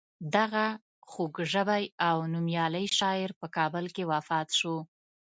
دغه خوږ ژبی او نومیالی شاعر په کال کې وفات شو.